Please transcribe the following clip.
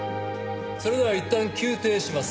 それではいったん休廷します。